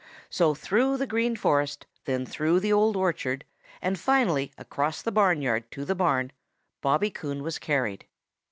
So through the Green Forest, then through the Old Orchard, and finally across the barnyard to the barn Bobby Coon was carried.